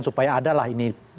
supaya ada lah ini